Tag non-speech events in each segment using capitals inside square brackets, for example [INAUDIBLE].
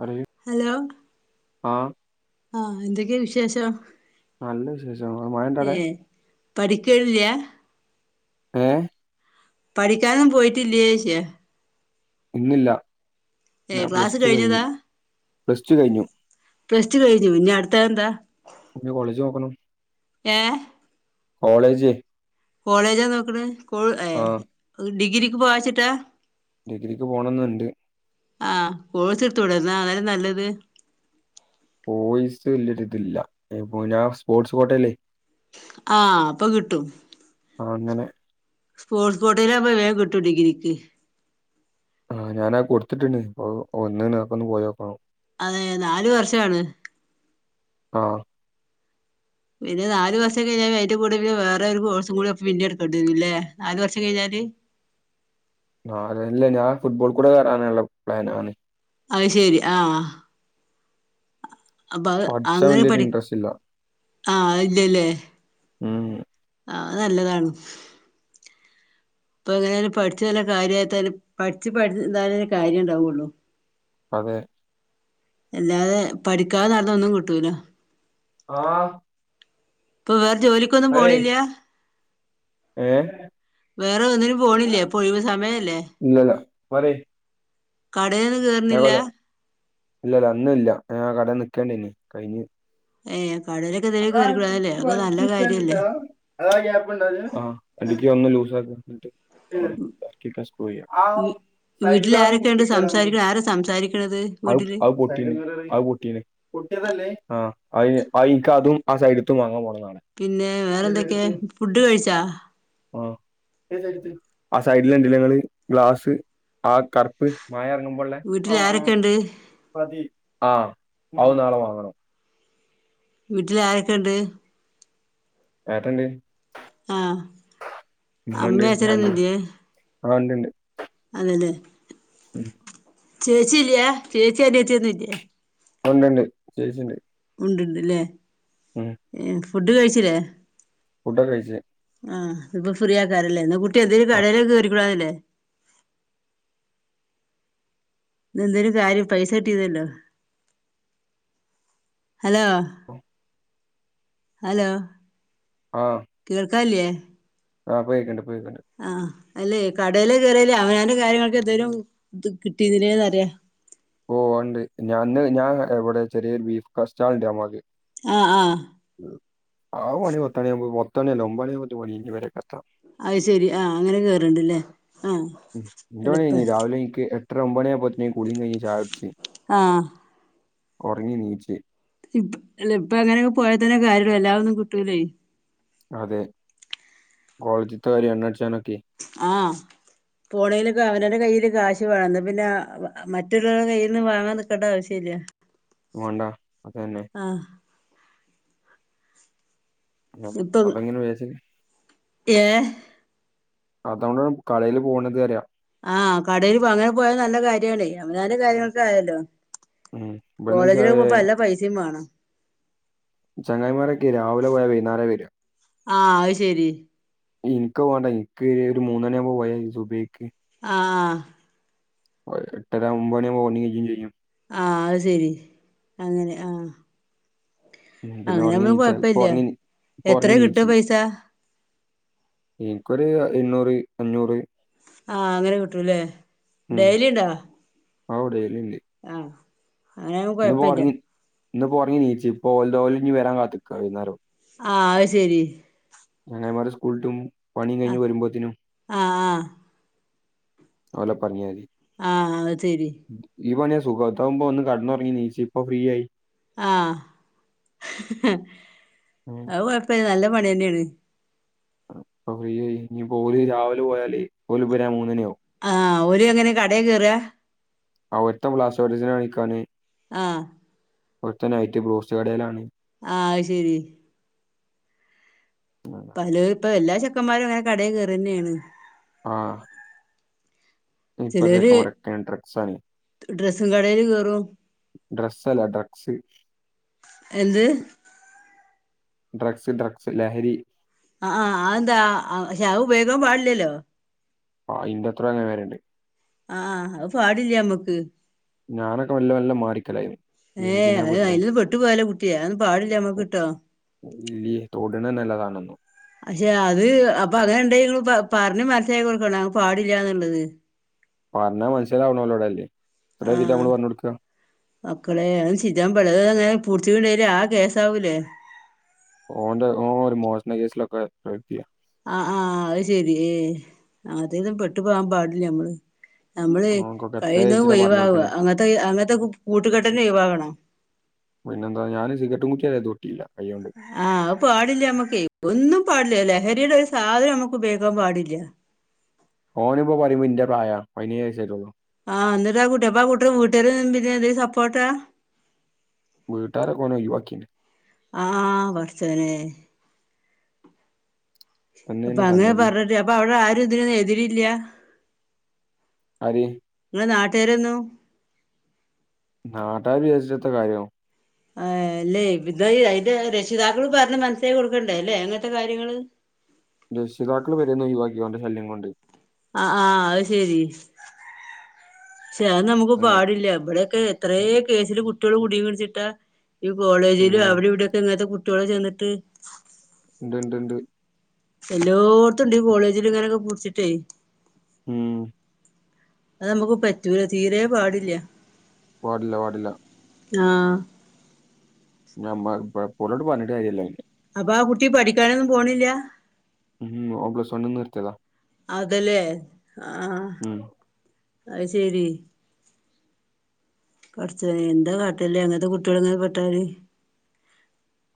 പറയൂ ഹലോ. ആ ആ, ന്തൊക്കെ വിശേഷം? നല്ലവിശേഷാണ്, മഴണ്ടവടേ? പഠിക്കലില്ലേ? ഏ? പഠിക്കാനൊന്നും, പോയിട്ടില്ലേ? ഇന്നില്ല. ഏ, ഞാൻ പ്ലസ് ക്ലാസ്, ടു കഴിഞ്ഞതാ? കഴിഞ്ഞു പ്ലസ് ടു കഴിഞ്ഞു പ്രസ്റ്റ്, കഴിഞ്ഞു, ഇഞ്ഞി അടുത്തതെന്താ? ഇനി കോളേജ് ഏ? കോളേജ്. കോളേജാ, നോക്ക്ണ്? കോ, ഏ, ഡിഗ്രിക്ക്, പോവച്ചിട്ടാ? ഡിഗ്രിക്ക്, പോണംന്നുണ്ട്. ആഹ്, കോഴിസെടുതൂടെ? ന്നാ, അതല്ലേ, നല്ലത്? പോയ്സ്, വല്ലിയൊരുതില്ല, പോന്നാ, സ്പോർട്സ്, കോട്ടല്ലേ ആ, അപ്പൊ, കിട്ടും. ആ, അങ്ങനെ. കോഴിക്കോട് കാർക് വേഗം, കിട്ടും, ഡിഗ്രിക്ക് ആഹ, ഞാനാ, കൊടുത്തിട്ടിണ്ട്, ഇപ്പൊ, ഒന്ന്ക്ക, ഒന്ന്, പോയോക്കോ അതെ, നാലു, വർഷാണ് ആഹ. പിന്നെ, നല്, വർഷം, കഴിഞ്ഞാല്, അതി്ന്റെ, കൂടെ, വേറെ, ഒരു, കോഴ്സ്, കൂടി, പിന്നി, എടുക്കണ്ടിരുന്നല്ല, നല്, വർഷം കഴിഞ്ഞാല് [UNINTELLIGIBLE] ആ, അതല്ല, ഞാൻ, ഫുട്ബോൾ, കൂടെ, കയറാനുള്ള, പ്ലൻ, ആണ് അത്, ശെരി, ആഹ അപ്പ, അ, പഠിച്ചാൻ അങ്ങനെ, വലിയൊരു പഠി, ഇൻട്രസ്റ്റ് ഇല്ല ആഹ, ഇല്ലല്ലേ ഉം ആഹ, നല്ലതാണ് ഇപ്പൊ, എങ്ങനൊലും, പഠിച്ചു, നല്ല, കാര്യും, പഠിച്ചച്ച്, പഠ, എന്തും, കാര്യം, ണ്ടാവുള്ളു അതെ. എല്ലാതെ, പഠിക്കാതെ നല്ലൊന്നും, കിട്ടൂലോ ആഹ് ഇപ്പ്‌. വേർ. ജോലിക്കൊന്നും. പോണില്ല്യ ഏ വേറെ. ഒന്നിനും പോണില്ലേപ്പൊ. ഒയിവ്. സമയല്ലേ പറയ്യ് കടേന്ന്. കേർണില്ല ല്ല. ഇല്ല. ആ കടേന്ന്. നികെനേര്ന്ന്. കഴിഞ്ഞു ഏ. ത് അതാ ടിക്കി വൽച്ചിട്ടാട. കാര്യല്ലേ അതാ. ഗ്യപ്പ്‌ണ്ടാ. അതിന്. ആ. ടിക്കി ഒന്ന്‌ ലൂസാക [UNINTELLIGIBLE] വീ വീട്ടിൽ ആരൊക്കെയുണ്ട് സംസാരിക്കണ ആരാ സംസാരിക്കണത് അഹ് വീട്ടില് അഹ് പൊട്ടീന്. പൊട്ടീന്. പൊട്ടിയെതല്ലേ. അഹ് ആഹ അ അയി ക്ക് അതും ആ സൈഡത്തും വാങ്ങാൻ പോണ് പിന്നെ വേറെന്തൊക്കെ ഫുഡ് കഴിച്ചാ ആ, സൈഡില് എണ്ടിലേങ്ങള്. ഗ്ലാസ് ആ, കർപ്പ്. മയ എറങ്ങുമ്പോള്ളെ.. വീട്ടിൽ ആരൊക്കെയുണ്ട് പതി ആഹ, അത് നാളെ വാങ്ങണം വീട്ടിലെ. ആരൊക്കെ. ഇണ്ട് ഏട്ടൻണ്ട് ആഹ, അമ്മ. അച്ചനൊന്ന്. ഇല്ല്യ ആഹ.. ണ്ട്. ണ്ട് അതെല്ലേ [INAUDIBLE] ചേച്ചി ഇല്ലി യ. ചേച്ചി അനിയത്തി ഒന്നം ഇല്ല്യേ ആ. ണ്ട്ണ്ട്. ചേച്ചിണ്ട് ഉണ്ട്ണ്ട്ലേ. എ. ഫുഡ് കഴിച്ചിലേ ഫുഡോക്കെ. കഴിച്ച് ആഹ് ഇപ്പൊ. ഫ്രീ ആകാരല്ലേ. എന്ന കുട്ടി എന്തേലും ആ കടയിലൊക്കെറികൂടായിര്ന്നില്ലേ [INAUDIBLE] ന്ന. എന്തേിലും കാര്യം പൈസ കിട്ടീര്ന്നല്ലോ ഹലോ. ഹലോ. ആഹ് കേൾക്കാല്ല്യേ ആ പ്പൊ കേക്ണ്ട് ആഹ. അല്ലെ. കടേല് കേറയാലേ അവനവന്റെ കാര്യങ്ങൾക്കൊക്കെ എന്തേലും. കിട്ടിര് ന്നിലേഅറിയ -ഹ്‌ ഓ... ഒണ്ട് ഞന്ന്. ഞാൻ ഇവിടെ ചെറിയൊരു ബീഫ് സ്റ്റാൾണ്ട്മ്മോക്ക് അ.. അ ആ. പണി പത്തുണി. പത്തു മണി അല്ല ഓമത് മണി പണി കഴിഞ്ഞ് പറക്കും എത്താമം അയിശെരി. ആഹ. അങ്ങനെ കേറണ്ട്ല്ലേ.. അഹ. [UNINTELLIGIBLE] ട്ടരാ. ഒബണി ആവുമോഴാത്തക്. കുളീം. കഴിഞ്ഞ്. ചായൊട് ആഹ കൊറങ്ങിണീച് ഇപ്പ്‌ ഇപ്പഅങ്ങനെയൊക്കെ പോയാതന്നെ കാര്യള്ളൂ എല്ലാ ഒന്നും കിട്ടൂലെ അതെ കോളേജ്ത്തെ ര്യ എണ്ണടിച്ഛനൊക്കെ ആഹ പോണെയിലൊക്കെ അവനന്റെ കയ് കാശ് വേണ് ന്നപിന്നെ മറ്റുള്ളോരുടെ കയ്യിൽന്ന് വാങ്ങാൻ നിക്കണ്ട ആവശ്യല്ല വണ്ട അതെന്നെ ആഹ് അങ്ങനെ നുപ്പൊത് അതങ്ങനെ വിചാരിച്ച് ഏ അതൊണ്ട് കളയില് പോണത് അറിയ ആഹ് കടയിൽ പൊ അങ്ങനെ പോയാല് നല്ല കാര്യണേ അവനാന്റെ കാര്യങ്ങള്കായല്ലോ ഉം ഇവിടുന്ന് ചെ കോളേജിൽപ്പൊ നല്ല പൈസിം വേണം ചങ്ങായിമാരൊക്കെ രാവിലെ പോയ വൈന്നാരെ വെരു ആഹ അഹ്ശരി ഇൻക്ക് പോണ്ട ഇക്ക് ഒരു മൂന്ന്ണി ആവുമ്പോ പൊയതി സുബൈക്ക് ആഹ് ഏ എട്ടര ഒമ്പത് മണിയാവുമ്പോ [UNINTELLIGIBLE] ചെയ്യും ആഹ് അത് ശെരി അങ്ങനെ ആഹ് ഉം, പിന്നെ അങ്ങനെ ഉറങ്ങി നമ്മള് നീച്ചാൽ ഇപ്പൊ കൊഴപ്പില്ല്യ ഉറങ്ങി നീ- ഇപ്പൊ എത്രയ ഉറങ്ങി കിട്ട നീച്ച് പൈസ എനിക്കൊരു എണ്ണൂറ് അഞ്ഞൂറ് ആ അങ്ങനെ കിട്ടൂല്ലേ ഡെയ്ലി ഇണ്ടോ അവിടെ ആ അങ്ങനെയാവുമ്പോ കൊഴപ്പില്ല ഇന്ന് പൊറങ്ങി ഇണീച്ച് ഇപ്പോ [UNINTELLIGIBLE] ഓല് ഇനി വരാൻ കാത്തിക്കാ വൈന്നേരം ആ അത് ശരി ചെങ്ങായിമാര് സ്കൂളിട്ടും പണിയും കഴിഞ്ഞ് ആഹ് വരുമ്പോത്തിനും ആഹ് ആഹ് അവളെ പറഞ്ഞാതി ആ അതരി ഈ പണിയാ സുഖം ഇതാവുമ്പോ ഒന്ന് കെടന്നൊറങ്ങി ഇണീച്ച് ഇപ്പൊ ഫ്രീ ആയി ആ ഹ്ഹ് ഉം, അത് കുഴപ്പില്ല നല്ല പണിതന്നെയാണ് ഇപ്പ ഫ്രീ ആയി ഇനി പോല് രാവിലെ പോയാല് ഓല് വരാൻ മൂന്നുമണിയാവും ആ ഓര് എങ്ങനെ കടേ കേറാ ഒരുത്തൻ പ്ലാസ്റ്റൊഡിസിന് പണിക്കാന് ആ ഒരുത്തൻ നൈറ്റ് ബ്രോസ്റ്റ് കടയിലാണ് ആ അത് ശരി പലും ഇപ്പൊ എല്ലാ ചെക്കന്മാരും ഇങ്ങനെ കടയി കേറന്നെയാണ് ആ ഇപ്പത്തെ ചെലോര് ചെക്കമ്മാരോക്കെ ഡ്രെഗ്സ് ആണ് ഡ്രസ്സും കടേല് കേറും ഡ്രസ്സ് അല്ല ഡ്രക്സ് എന്ത് ഡ്രഗ്സ് ഡ്രക്സ് ലഹരി അ ആ അത് എന്താ ശഹ് ഉപയോഗിക്കാൻ പാടില്ലല്ലോ ആ ഇന്റത്ര അങ്ങനെ വരുണ്ട് ആ അത് പാടില്ല നമ്മക്ക് ഞാനൊക്കെ വല്ല വല്ല മാറിക്കലായിന്ന് ഏ അതിന് അതിനകത്ത് പെട്ടുപോയാലോ കുട്ടിയെ അതൊന്നും പാടില്ല നമ്മക്ക് കേട്ടോ ഇല്ല്യേ തൊടണ നല്ലതാണെന്നോ പക്ഷെ അത് അപ്പൊ അങ്ങനെ ഉണ്ടായിക്കണു പ പറഞ്ഞ് മനസ്സിലായി കൊടുക്കണം അത് പാടില്ല്യാന്നുള്ളത് പറഞ്ഞാ മനസ്സിലാവണല്ലോടല്ലേ ആ മക്കളെ അവ് ചിജ്ജാൻ പട [UNINTELLIGIBLE] ആ കേസാവൂലേ? ഓന്റെ ഓ ഒരു മോശണ കേസിലൊക്കെ പ്രതിയ. ആ -ആഹ് അഹ് ശെരി ഏ അങ്ങത്തില് പെട്ടു പോവാൻ പാടില്ല്യ മ്മള്. നമ്മളെ ഓൻക്കൊക്കെ എത്ര കഴിയുന്നം വെച്ചിട്ടാ പറഞ്ഞു ഒഴിവാവ്യ കൊടുക്കണേ അങ്ങത്തെ അങ്ങത്തെ കൂട്ടുകെട്ടന്നെ ഒഴിവാകണം. പിന്നെന്താ ഞാന് സിഗററ്റ് കുറ്റ്യ ന്നെ തൊട്ടില്ല. ആഹ് അത് പാടില്ലമ്മക്കേ ഒന്നും പാടില്ലല്ലേ. ലഹരിടെ ഒരു സാധനമ്മക്ക് ഉപയോഗിക്കാൻ പാടില്ല. ഓന്പ്പോ പറയുമ്പോ ഇന്റെ പ്രായാ വൈനേയ് വയസ്സായിട്ടുള്ളൂ. ആ ന്നട്ടാ കുട്ട്യപ്പാ കൂട്ടര് വീട്ടര് പിന്നെ ഇതിന് സപ്പോട്ടാ. വീട്ടാരൊക്കെ ഒനൊയ്വാക്കീന്. ആ പട്ച്ചോനേ. പ്പൊ തന്നെയാണ് സംഗതി അങ്ങനെപറഞ്ഞട്ടിന് അപ്പൊ ഔടെ ആരുതിനന്ന് എതിരില്ല? ആര്? നാട്ടുകേരന്നു. നാട്ടാര് വിജര്ച്ചട്ടത്ത കാര്യം. ഏ... അല്ലെയ് [UNINTELLIGIBLE] അയിന്റെ രക്ഷിതാക്കള് പർഞ്ഞ് മനസ്സിലാക്കികൊടുക്കണ്ടേ ല്ലേ അങ്ങൻത്തെ കാര്യങ്ങള്. രക്ഷിതാക്കൾ പെരീന്ന് ഒയ്വാക്കി ഓൻ്റെ ശല്യം കൊണ്ട്. ആ ആഹ അത് ശെരി. ക്ഷെ അ നമുക്ക് അങ്ങനെ പാടില്ല. ഇബടെക്കെ എത്രേ കേസില് കു ട്ട്യള് [UNINTELLIGIBLE] ഈ കോളേജില് പിന്നെ അവിടിവിടെക്കെ ഇങ്ങൻത്തെ കുട്ടിയോള് ചെന്നിട്ട്. ണ്ട്ണ്ട് ണ്ട്. എല്ലോട്ത്തുണ്ട് ഈ കോളേജില് ങ്ങനൊക്കെ പുട്ച്ചിട്ടേ. ഉം. അത് നമ്മക്ക് പറ്റൂല തീരെ പാടില്ല. പാടില്ല പാടില്ല. ആ. [UNINTELLIGIBLE] ഓലോട് പർഞ്ഞിട്ട് കാര്യല്ല പ്പാ കുട്ടി പഠിക്കാനൊന്നും പോണില്ല. ഉം ഓ പ്ലസ്വണ്ണിന്ന് നിർത്ത്യത. അതല്ലേ ആഹ അ ശരി. പട്ച്ചോനെ എന്താ കാട്ടല്ലേ അങ്ങനത്തെ കുട്ട്യള് ങ്ങനെ പെട്ടാല്.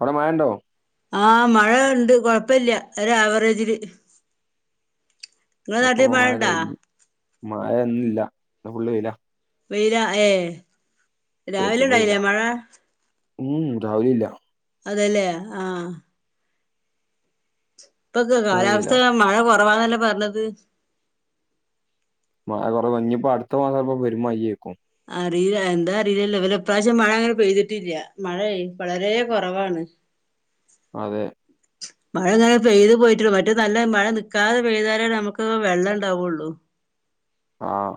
ഔടെ മയണ്ടോ? ആഹ മഴ ണ്ട് കൊഴപ്പില്ല ഒരാ വറേജില്. അക്കപ്പ മഴ കഴിഞ് മഴ ഇന്നില്ല ഇന്ന് ഫുള്ള് വെയിലാ. വെയില ഏ പെരും രാവിലെണ്ടായില്ലേ വെയിലാ മഴ. ഉം രാവിലില്ല. അതല്ലേ ആഹ. പ്പൊക്കെ ഇപ്പൊ വെയിലാ കാലാവസ്ഥ മഴ കുറവാന്നല്ലേ പറഞ്ഞത്. ആ കുറവ ഞ്ഞിപ്പോ അടുത്ത മാസംപ്പ പെരും മയയ്ക്കും. അറില്ല എന്താ അറിലല്ലൊ വല പ്ര്രാവശ്യം മഴ ങ്ങനെ പെയ്തിട്ടില്ല. മഴയ് വളരെ കുറവാണ്. അതെ. മഴങ്ങനെ പെയ്ത് പോയിട്ടുള്ളു മറ്റ നല്ല മഴ നിക്കാതെ പെയ്താലല്ലേ നമുക്ക് വെള്ളണ്ടാവുള്ളു. [INAUDIBLE] ആഹ.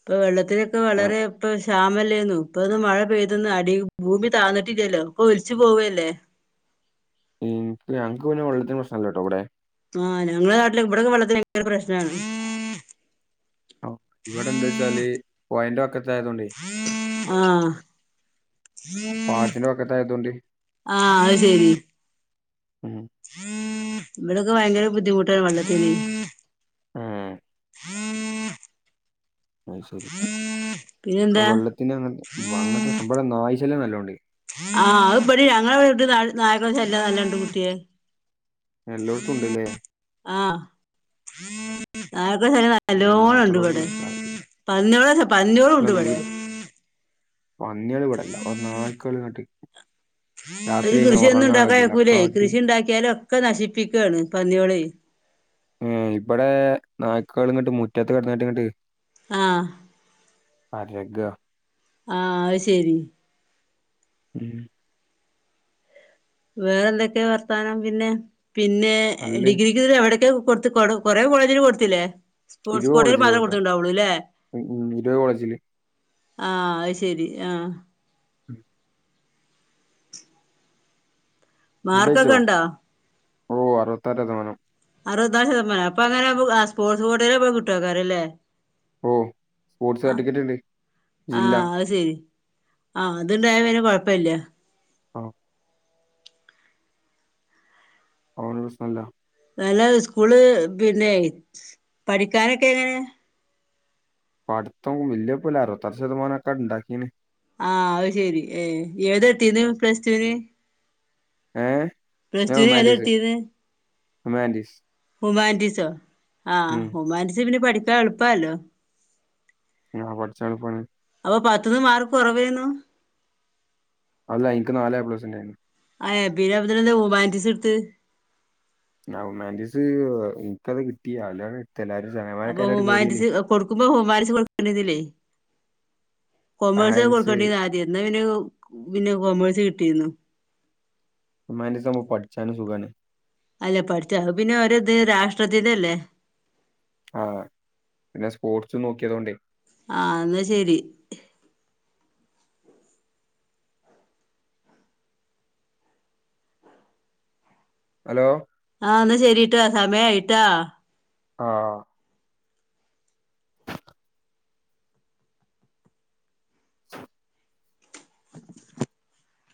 പ്പൊ വെള്ളത്തിനൊക്കെ വളരെപ്പ ശ്യാമല്ലേന്നു ഇപ്പന്ന് മഴ പെയ്തന്ന് അടി ഭൂമി താന്നിട്ടില്ലല്ലോ ഒക്ക ഒൽച്ചു പോവല്ലേ. [INAUDIBLE] മ്.. ഞങ്ങക്ക് പിന്നെ വെള്ളത്തിന് പ്രശ്നല്ലട്ടോ വടെ. ആ ഞങ്ങളെ നാട്ടില ഇവിടൊക്കെ വെള്ളത്തിന് ഭയങ്കര പ്രശ്നാണ് ഇവിടെ എന്താ വച്ചാല് പോയിന്റ വക്ക ത്ത ആയതോണ്ടേ പാടത്തിന്റെ വക്കത്തായതോണ്ട് ആആ അത് ശരി ഉം ഇവിടൊക്കെ ഭയങ്കര ബുദ്ധിമുട്ടാണ് വെള്ളത്തിന് ആ അ ശരി പിന്നെന്താ വെള്ളത്തിന് അങ്ങ അങ്ങനത്തെ ഇവിടെ നായ് ശല്യം നല്ലൊണ്ട് ആഹ് അത് പടി ഞങ്ങളെ വിടെ നായക്കളെ ശലൃം നല്ലൊണ്ട് കുട്ടിയെ എല്ലായിടത്തും ഉണ്ട്ലേ ആ നല്ലോണം ഉണ്ട്പടെ സാധ്യത പന്നിളുംപന്നിളും ഉണ്ട്വിടെ പന്നിയേൾ ഇവിടല്ല ഒ നായ്ക്കൾ ങ്ങട് ഒരു കൃഷിയ ഒന്നും ഉണ്ടാക്കാൻ കഴിയില്ല അയക്കൂലേ അക്കാട്ടി കൃഷി ഉണ്ടാക്കിയാലോ ഒക്കെ നശിപ്പിക്കാണ് പന്നിയോളെ ആ ഇവിടെ നായ്ക്കൾ ഇങ്ങട്ട് മുറ്റത്ത് കിടനാട്ടംങ്ങട്ട് ആ അരഗ ആ അത് ശരി ഉം വേറെ എന്തൊക്കെ വർത്താനം പിന്നെ പിന്നെ നല്ല ഡിഗ്രിക്ക് എവിടെക്കെ കൊടു കൊ കൊറെ കോളേജിൽ കൊടുത്തില്ലേ സ്പോർട്സ് ഇരുപത് കോട്ടൽ കോളേജിൽ മാത്രേ കൊടുക്കാം കൊടുത്തുണ്ടാവുള്ളു അല്ലേ ഇരുപത് കോളേജിൽ ആ അ ശെരി ആ ഉം ഫുഡ് മാർക്കൊക്കെ കഴിച്ചോ ഉണ്ടോ? ഓ അറുപത്താറ് ശതമാനം അറുപതാല് ശതമാനം അപ്പൊ അങ്ങനെ ആ സ്പോർട്സ് കോട്ടയിൽ കിട്ടൊകാരലേ ഓ സ്പോർട്സ് ആ സർട്ടിഫിക്കറ്റ് ഉണ്ട് ജില്ല ആഹ് അത് ശരി ആഅത്ണ്ടായ പിന്നെ കൊഴപ്പല്ല ആ അനതൊട് പ്രശ്നംല്ല നല്ല സ്കൂള് പിന്നെ പഠിക്കാനൊക്കെ എങ്ങനെ പടുത്തം വലിയ പോല അറുപത്താറ് ശതമാനം ക്കേ ഇണ്ടാക്കീന് ആ അത് ശെരി ഏ ഏത് ട്ത്ഥീനെപ്ലസ് ടൂവിന് ഏ ഞാൻ പ്ലസ്ടുവിന് ഏതാ ഹ്യൂമാനിറ്റീസ് ഇടുത്തിത് ഹ്യൂമാനിറ്റീസ് ഹുമാൻറ്റീസോ ആ ഉം ഹുമാൻറ്റീസ് പിന്നെ പഠിക്കാൻ എളുപ്പല്ലോ ആ പഠിച്ചാണ്പ്പണ അപ്പ പത്തന്ന് മാർക്ക് കുറവേന്നു അല്ല എനിക്ക് നാല് എ പ്ലസ്ണ്ടേന്നു പിന്നെന്തിനാ ഹ്യൂമാനിറ്റീസ് എടുത്ത് ഹ്യൂമാനിറ്റീസ് ഇന്ക്കത് കിട്ടി അയിലാണ്ട് ഇട്ത്ത് എല്ലാരും ചങ്ങായിമാരൊക്കെ എല്ലട്ട് കയറില്ലേ നക്കുമ്പോ ഹോംമാർക്സ് കൊടുക്കേണ്ടിന്നില്ലേ കൊമേഴ്സ് സയൻസ് കൊടുക്കേണ്ടിരുന്ന ആദ്യം എന്നാ പി പിന്നെ കോമേഴ്സ് കിട്ടിരുന്നു ഹുമാന്റിസ് ആകുമ്പോൾ പഠിച്ചാന സുഖാണ് അല്ല പഠിച്ച പിന്നെ ത് രാഷ്ട്രത്തിതല്ലേ ആ പിന്നെ സ്പോർട്സ് നോക്കിയതോണ്ടേ ആ എന്നാ ശരി ഹലോ ആ ശെരിട്ടാ സമയയിട്ടാ ആഹ [UNINTELLIGIBLE] [INAUDIBLE]